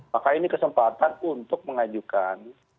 maka ini kesempatan untuk mengajukan